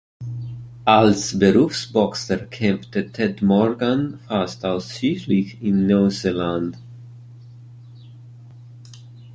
Als Berufsboxer kämpfte Ted Morgan fast ausschließlich in Neuseeland.